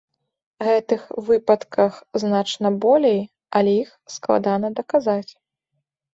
Гэтых выпадках значна болей, але іх складана даказаць.